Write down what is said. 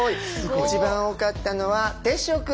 一番多かったのは煌翔君！